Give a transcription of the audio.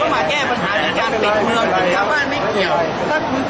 อาหรับเชี่ยวจามันไม่มีควรหยุด